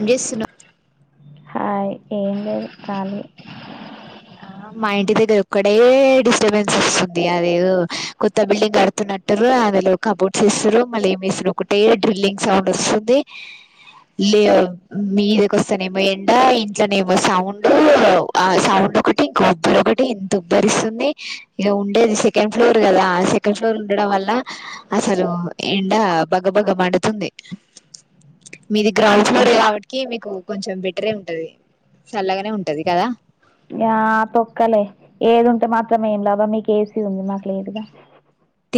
ఏమ్ చేస్తున్నవ్ హాయ్ ఏం లేదు కాలి మా ఇంటి దగ్గర ఒక్కడే డిస్టర్బెన్స్ వస్తుంది. అదేదో కొత్త బిల్డింగ్ కడుతున్నట్రు అందులో కబోర్డ్స్ ఇస్తారు, మళ్ళ ఏమి ఇస్తారు, ఒకటే డ్రిల్లింగ్ సౌండ్ వస్తుంది లే మీ దగ్గర వస్తానే ఏమో ఎండ, ఇంట్లోనే ఏమో సౌండ్, ఆ సౌండ్ ఒక ఇంకా ఉబ్బరు ఒకటి ఇంత ఉబ్బరిస్తుంది. ఇక ఉండేది సెకండ్ ఫ్లోర్ కదా సెకండ్ ఫ్లోర్ ఉండడం వల్ల అసలు ఎండ బగ బగ్గ మండుతుంది. మీది గ్రౌండ్స్ లో రాబటికి మీకు కొంచెం బెటరే ఉంటది. చల్లగానే ఉంటది కదా. య తొక్కలే ఏది ఉంటే మాత్రం ఏం లాబాం మీకు ఏసీ ఉంది మాకు లేదుగా.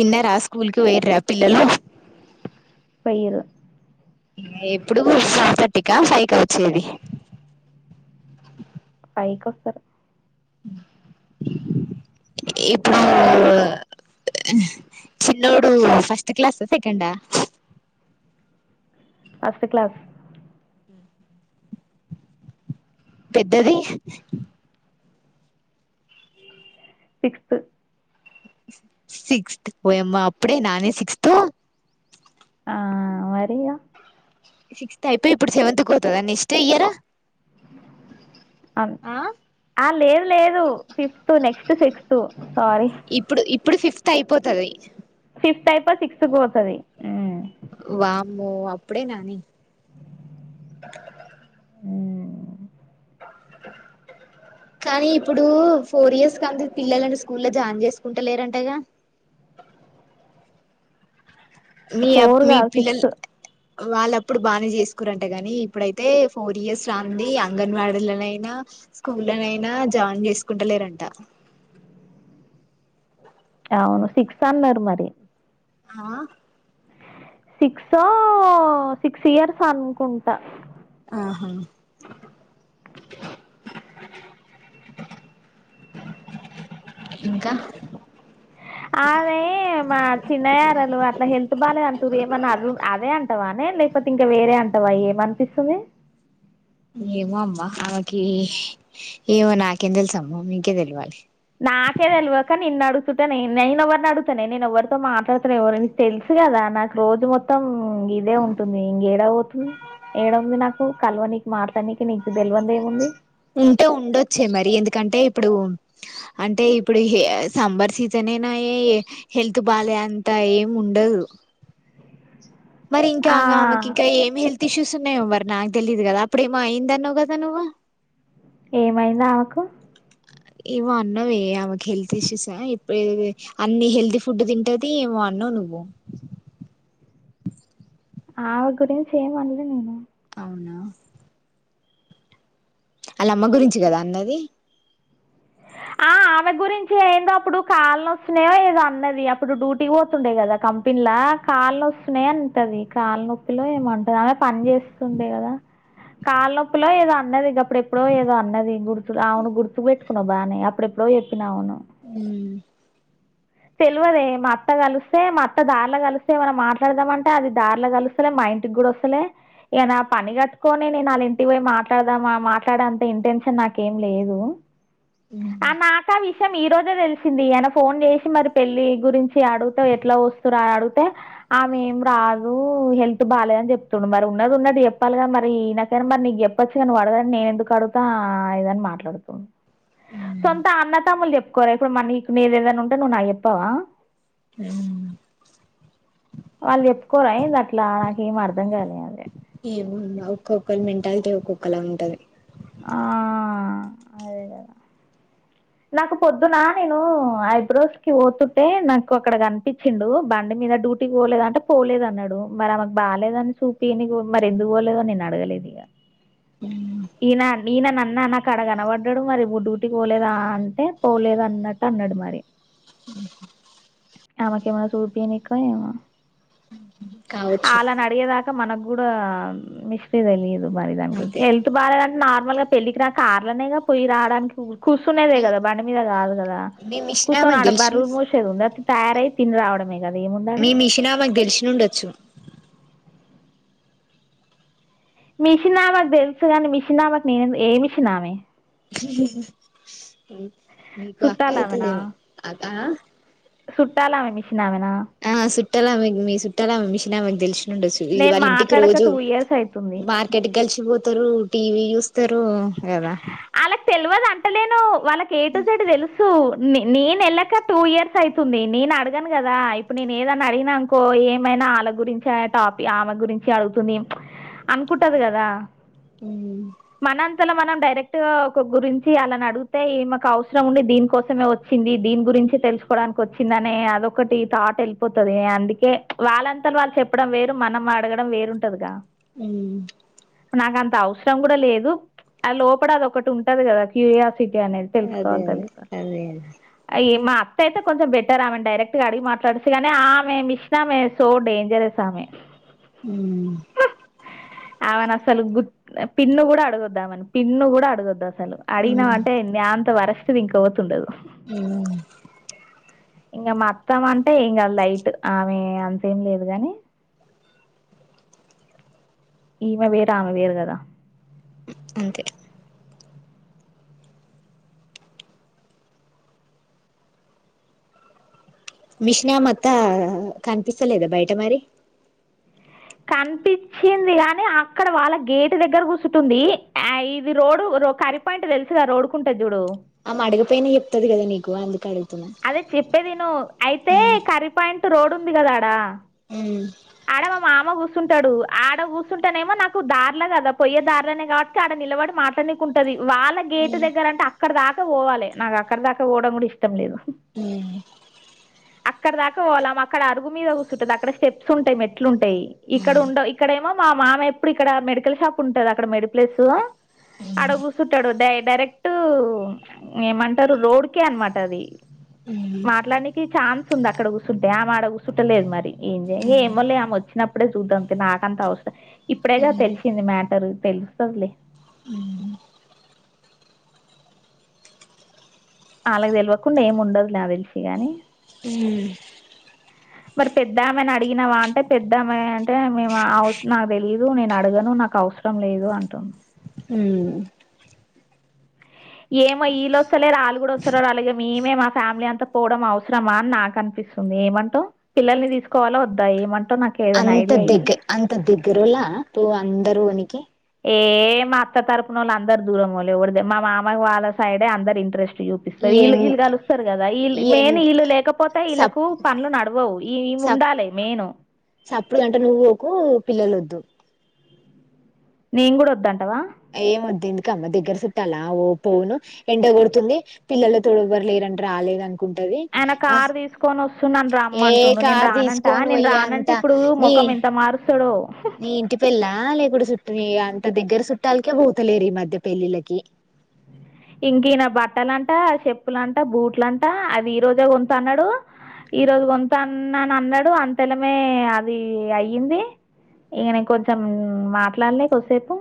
తిన్నరా స్కూల్కి పోయిరా పిల్లలు పోయిరు ఎప్పుడు టు తర్టికా ఫైవ్ కా వచ్చేది. ఫైవ్ కి వస్తారు ఇప్పుడు చిన్నోడు ఫస్ట్ క్లాస్, సెకండా ఫస్ట్ క్లాస్ [inaudible] పెద్దది సిక్స్త్ సిక్స్త్ ఓయమ్మా అప్పుడే నానే సిక్స్త్ ఆ వరియా సిక్స్త్ అయిపోయి, ఇప్పుడు సెవెంత్ కు పోతుంద నెక్స్ట్ఇయర్. అ లేదు లేదు ఫిఫ్త్, నెక్స్ట్ సిక్స్త్ సారీ. ఇప్పుడు ఇప్పుడు ఫిఫ్త్ అయిపోతుది. ఫిఫ్త్ అయిపో సిక్స్ కు పోతది. వామ్మో అప్పుడే నానే ఊ కానీ ఇప్పుడు ఫోర్ ఇయర్స్ కంత పిల్లలని స్కూల్ల్లో జాయిన్ చేసుకుంటలేరంటగా. మీ అప్ ఫోర్ మీ కాదు పిల్లలు సిక్స్ వాళ్ళప్పుడు బాగానే చేసుకోరంట గాని, ఇప్పుడైతే ఫోర్ ఇయర్స్ రాంది అంగన్వాడీలనైనా, స్కూళనైనా జాయిన్ చేసుకుంటలేరంట. అవును సిక్స్ అన్నారు మరి ఆ సిక్స్ ఓ సిక్స్ ఇయర్స్ అనుకుంటా ఆహా [unintelligible] ఇంకా ఆమే మా చిన్నయరలు అట్లా హెల్త్ బాగాలేదు అంటారు. ఏమన్నా అ అదే అంటావానే లే. లేకపోతే ఇంకా వేరే అంటావా ఏమనిపిస్తుంది. ఏమో అమ్మ ఆమెకి ఆ ఏమో నాకేం తెలుస అమ్మ మీంకే తెలివాలి. చుట్టనే నేను ఎవరిని అడుతానే నేను ఎవ్వరితో మాట్లాడుతన్నాను. ఎవరు తో మాట్లాడుటలేను, నీకు తెలుసు కదా నాకు రోజు మొత్తం ఇదే ఉంటుంది. ఏడకు పోతుంది ఏడంది నాకు కలవదానికి నీకు మాట్లాడ నీకీ. ఉంటే ఉండొచ్చే మరి ఎందుకంటే ఇప్పుడు అంటే ఇప్పుడు సమ్మర్ సీజన్ ఆయే, హెల్త్ బాలే అంత ఏం ఉండదు. మరి ఇంకా ఆ అ అమే కి ఇంకా ఏమి హల్ ఇషూస్ ఉన్నాయివ మరి నాకు తెలీదు కదా, అప్పుడేమ అయింది అన్నావు కదా నవ్వు. ఏమైంది ఆమెకు ఏమో అన్నావే ఆమెకి హెల్త్ ఇష్యూసా ఇప్పుడు అన్ని హెల్తీ ఫుడ్ తింటది. ఏమో అన్నావు నువ్వు ఆమే గురించి ఏం అల్లే నేను అవునా అలా అమ్మ గురించి కదా అన్నది. ఆ ఆమె గురించి అయిందో అప్పుడు కళ్ళునొస్తునాయి లేదో అన్నది. అప్పుడు డ్యూటీకి పోతుండే కదా కంపెనీలా కాళ్న నొస్తున్నాయి అంటది. కాళ్ళనొప్పిలో ఏమంటంది ఆమె పని చేస్తుండే కదా కాళ్నొప్పుిలో ఏదో అన్నది ఇకప్పుడెప్పుడో ఏదో అన్నది గుర్తు ఆవును గుర్తు పెట్టు బానే అప్పుడ ఎప్పుడు చెప్పినా అవును అ తెలివదే మా అత్త కలిస్తే మా అత్త దార్లో కలిస్తే ఏమనా మాట్లాడదామ అంటే అది దార్లో కలుస్తలే మా ఇంటికి కూడా వస్తలే ఈ గణ పని కట్టుకొని నేను వాళ్ళ ఇంటికి పోయి మాట్లాడదామా మాట్లాడేంత ఇంటెన్షన్ నాకేం లేదు ఆ మాకా వి విషయం ఈ రోజే తెలిసింది ఆయన ఫోన్ చేసి మరి పెళ్లి గురించి అడిగుతే ఎట్లా వస్తురాని అడిగితే ఆమె ఏం రాదు హెల్త్ బాగాలేద అని చెప్పు తుండు మరి ఉన్నది ఉన్నది చెప్పాలిగాద మరి ఈనకైనా మరి నీకు చెప్పొచ్చు కా ను్వు అడదని నేను ఎందుకు అడుగుతా ఆ ఇదని మాట్లాడుతును సొంత అన్నతాములు చెప్ కొరేకుడు మనీకు నీదే ఏదైనా ఉంటే నువ్వు నాకు చెప్పవా ఆ వాళ్ళు చెప్పుకోరా ఏంది అట్లా ఎం మ అర్థం కాలి అదే ఏమో ఒక్కొక్కరు మంటాలతే ఒక్కొక్కలా ఉంటది ఆ అదే కదా నాకు పొద్దున నేను ఐబ్రోస్ కి పోతుంటే నాకు అక్కడ కనిపించిండు బండి మీద డ్యూటీ పోలేద అంటే పోలేదు అన్నాడు మరి ఆమెకు బాలేదని చూపియా అని మరి ఎందుకు పోలేదో అని నేను అడగలేదు ఈగ ఈయన ఈయన అన్నా నాకు అడ కనబడ్డాడు మరి ఇ్ డ్యూటీకి పోలేదా అంటే పోలేదు అన్నట్టు అన్నాడు మరి ఆమెకు ఏమన్నా చూపినికు ఏమో కావచ్చు అలానా అడిగే దాక ఇంకా మనకు కూడా మేస్తే తెలీదు మరి దాని అంతే హల్త్ బలేద నార్మల్ గా పెళ్లికి రాక కార్లనపోయి రాడానికి కూసినా ఆదే మీ కదా బండి మీద కాదు కద మీ మిషన్ కుసో నే ఆమెకు కడ తెలిసి బారు మోషేద ఉంద తయారై అయితిని రావడంమే మీ మిషిన మాకు తెలిసిినండొచ్చు మిషన్మాకు తెలుసు కాని మిషన్ నామకి నేను ఏ మషినమే జి మీకు అక్క చుట్టాలు అయితుదేను అకా సుట్టాలా మష ఆ చుట్టాలమె మీ చుట్టాలమె మిషన్ ఆమెకు తెలిసినండచ్చు నేను వాళ్ళ ఇంటికి మాట్లాడక రోజు టూ ఇయర్స్ అవుతుంది మార్కెట్ కలిసిపోతారు టీవీ చూస్త ఇస్తరు కదా వాళ్ళకి తెలియదు అంటలేను వాళ్ళకి ఏటు సడ్ తెలుసు నేను వెళ్ళక టూ ఇయర్స్ అవుతుంది నేను అడగాను కదా ఇప్పుడు నేను ఏదైన్నా అడిగిననుకో ఏమైనా వాళ్ళ గురించి టాపి ఆమె గురించి అడుగుతుంది అనుకుంటది కదా అ మనండైరక్ట్ ఒక గురించి అలాని అడిగితే మాకు అవసరం ఉంంది దీని కోసమే వచ్చింది దీని గురించిే తెలుసుకోవడానికి వచ్చిందినే అదొకటి థాట్ వెళ్ళిపోతుది అందుకే వాళ్ళంతర వాళ్ళు చెప్పడం వేరు మనం అడగడం వేరుంటదిగా అ నాకు అంత అవసరం కూడా లేదు అ లో అప్పుడ అది ఒకటి ఉంటది కదా క సిటీ అనేది అదే తెలుసుకోవాలి తెలుసుకోవాలి అదే అదే అయ్య మా అట్టయితే కొంచెం బెటర్ ఆమె డైరెక్ట్ గా అడిగి మాట్లాడిస్తే గాని ఆమె మిష్టమే సో డేంజరస్ ఆమె ఆమెనసలు గు పిన్ను కూడా అడుగొద్దామని పి ఇన్ను కూడా అడుగొద్దా సలు అడిగినావంటే న అంతా వరస్ట్ తువింక్ అవుతుండదు మ్మ్ ఇంగ మత్తం అంటే ఇంకా లైట్ ఆమె అంతేం లేదు గాని ఈమె వేరు ఆమె వేరు గదా అంతే మిషిన మత్తా కనిపిస్తలేదా బయట మరి కనిపించింది గాని అక్కడ వాళ్ళ గేటు దగ్గర కూసుటుంది ఆ ఇది రోడ్ రొ కరిపాయింట్ తెలుసుగా రోడ్కుంట చూడు వందికడి అదే చెప్పేదిను అయితే కరిపాయింట్ టు రోడ్డు ఉంది కదా ఆడా ఆడ మా మామ గుస్ తుంటాడు ఆడ కూసుంటానేమో నాకు దార్లా కదా పొయ్యే దార్లోనే కాబట్టి ఆడ నిలబడి మాట్లాడ్నీకి ఉంటది వాళ్ళ గేటు దగ్గర అంటే అక్కడ ద త పోవాలి నాకు అక్కడ దాకా పోవడం కూడా ఇష్టం లేదు మ్మ్ అక్కడ దాకా పోలం అక్కడ అరుగు మీద కూసుంటుంది అక్కడ స్టెప్స్ ఉంటాయి మెట్లుం టయ్ ఇక్కడ ఉండవు ఇక్కడేమో మా మామెప్పుడు ఇక్కడ మెడికల్ షాప్ ఉంటది అక్కడ మెడి ప్లెస్ అడ గుసుట్టాడు డై డైరెక్ట్ ఏమంటారు రోడ్కే అనమాట అది మాట్లాడ్నికి చాన్ సుందక్కడ కూసుంటే ఆమె ఆడ కూసుంటలేదు మరి ఏం [inaudible] ఇవాలె ఆమె వచ్చినప్ అప్పుడే చూద్దం కెనాటంతా ఇప్పుడేగా తెలిసింది మ్యాటర్ తెలుస్తదిలే అ ఆళ్లకు తెలవకుండా ఏమి ఉండదు నా తెలిసి గాని మ్మ్ మరి పెద్ద ఆమెని అడిగినవా అంటే పెద్ద అమ్మాయి అంటే మేము అ హౌస్ తెలిదు నేను అడగను నాకు అవసరం లేదు అంటుంది మ్మ్ ఏమో వీళ్ళ వస్తలేరు ఆళ్ళు కూడా వస్తారు అలాగే మేమే మా ఫ్యామిలీ అంతా పోవడం అవసరమా అన్ నాకు అనిపిస్తుంది ఏమంటో పిల్లల్ని తీసుకోవాల వద్దా ఏమం అంత దగ్గ అంత దగ్ ఇరులా తూ అందరు ఉనికి ఏ మా అత్త తరపున వాళ్ళు అందరు దూరం వాళ్లే ఇవడదే మామ వాళ్ళ సైడే అందరు ఇంట్రెస్ట్ ఈ చూపిస్తారు ఎం వీళ్ళు వీళ్ళ కలుస్తారు కదా వళ్ళ ఈ ఎం మెయిన్ వీళ్ళు లేకపోతే సప్ వీళ్ళలకు పనులు నడవవు ఈ సప్ ఉండాలి మెయిన్ పిల్లలద్దు నేను కూడా వద్దండి ఏ మధం మ్మ దగ్గర చుట్ట అలా ఓ పోను ఎండగొడుతుంది పిల్లల తోడవరులేదంటని రాలేదంట ఆయన కారు తీసుకొని వస్తున్నాను ఏ రమ్మంటుండు నేను కార్ రానంట తీసుకొని నేను పోయ్యే రానంటే అంత ఇప్పుడు నీ ముఖం ఎంత మారుస్తాడు నీ ఇంటి పల్లా లే కూడాడ సుట్ న అంత దగ్గర సుట్టిక పోతలే ర మధ్య పేలిలకి ఇంక ఈన బట్టలంట చెప్పులంట బూట్లంట అది ఈ రోజే కొంత అన్నాడు ఈ రోజు కొంతా అన్నాని అన్నాడు అంతెలమే అది అయ్యింది ఇక న ఇం కొంచెం మాట్లాడలేసేపు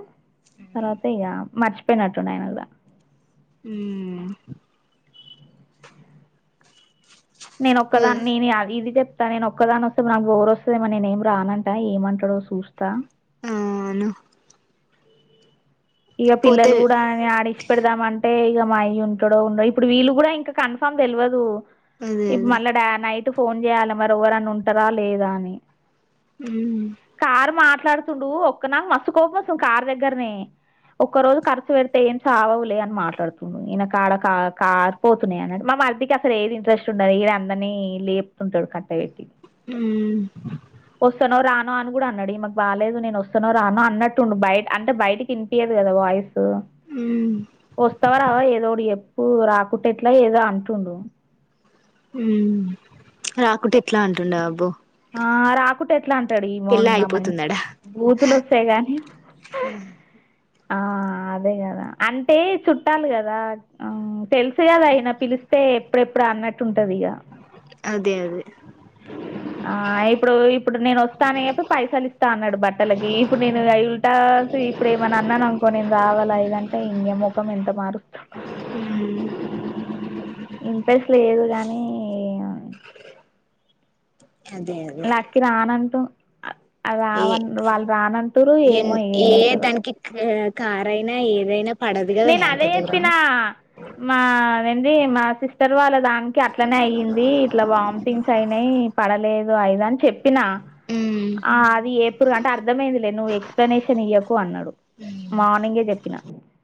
తర్వాత మర్చ పె నట్టుండ అనదా అ నేను ఒక్కదాన్ని నేను అది ఇది చెప్ నేను ఒక్కదాని వస్తే నాకు బోరు వస్తుందేమ నేనేం రానంటా ఏమంటాో చూస్తా ఆవును ఇక పిల్లలు కూడా ఆడించి పెడదాం అంటే ఇక మాయి ఉంటడ ఉండ ఇప్పుడు వీళ్ళు కూడా ఇంకా కన్ఫామ్ తెలియదు అదే ఇప్పు అదే మల్ళ డా నైట్ అ ఫోన్ చేయాలి మరి ఎవ్వరని ఉంటారా లేదా అని వూహ్ వ్ మాట్లాడుతుండూ ఒక్కనా మస్తు కోపమస్తు కార్ దగ్గర్ నే ఒక్క రోజు ఖర్చు పెడితే ఏం సావవులే అని మాట్లాడుతున్డు ఈయనకాడ కా కారిపోతున్నాయి అన్నట్ మా మర్దికి అసల్ ఏది ఇంట్రెస్ట్ ఉండదు ఈడే అందరినీ లేపుతుంటడు కట్టె పెట్టి వూహ్ వస్తున్నా అని గూడా అనడు ఈమెకు బాలేదు నేను వస్తునో రానో అన్నట్టుండు బయ్ అంటే బయటికి పీయదు గదా వాయ్స్ మ్మ్ ఏ వస్తవా రావా ఏదోటి చె పూ రాకుట్టెట్లా ఏదో అంటుండు వూహ్ రాకుటెట్లా అంటుండా అబ్బు ఆ రాకుంటేట్లా అంటాడు ఈమోన్నా మని ఆగిపోతుందడా బూతులొస్తాయ్ గాని ఆహ్ అదే గదా అంటే చుట్టాల్ గదా తెల్సు గదా యీన పిలిస్తే ఎప్పుడెప్పుడా అన్నట్టుంటది ఇగ అదె అదే ఆ ఇప్పుడు ఇప్పుడు నేను వస్తానే ప్పి పైసలిస్తా అన్నాడు బట్టలకీ ఇప్పుడ్ నేను ఐ ఉల్టాస్ ఇప్పుడు ఏమన్నా అన్నాననుకో నేను రావాలా ఇదంటే ఇంగెం మోఖం ఇంత మారుస్త మ్మ్ ఇంప్రెస్ లేదు గా నీ నీ ఇగ అదే అదే లక్కి రానుంటూ అయ్ అ రావ్ ఏ [unintelligible] వాళ్ రానంటురూ ఏమో ఏమైతదో కారైన ఏదైన నెన్ అదే జెప్పినా మా ఎందీ మా సిస్టర్ వాళ్ళది దానికి అట్లనే అయ్యిందీ ఇట్లా వామ్టింగ్స్ అయినాయ్ పడలేదు నువ్ ఐదన్ చెప్ చెప్పినా ఉమ్ ఆ అదీ ఏపుర్ అట అర్థమైందిలే నువ్ ఎక్స్ప్లెనేషన్ ఇయ్యకు అన్నడు మార్నింగే చెప్పినా